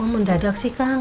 oh mendadak sih kang